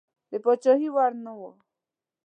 د پاچهي وړ نه وو.